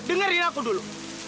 dengerin aku dulu